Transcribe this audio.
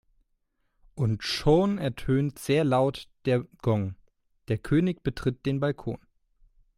Und schon ertönt sehr laut der Gong, der König betritt den Balkon.